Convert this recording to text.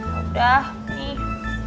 ya udah nih